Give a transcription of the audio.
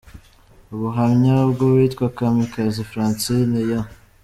Ubuhamya bwu witwa Kamikazi Francine « Yoooo !!!